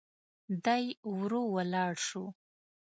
دی ورو ولاړ شو.